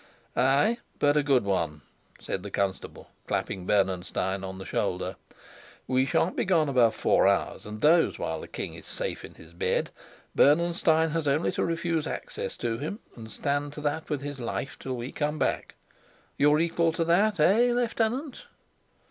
"Ay, but a good one," said the constable, clapping Bernenstein on the shoulder. "We sha'n't be gone above four hours, and those while the king is safe in his bed. Bernenstein has only to refuse access to him, and stand to that with his life till we come back. You're equal to that, eh, Lieutenant?"